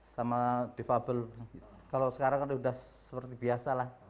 sama defable kalau sekarang kan sudah seperti biasa lah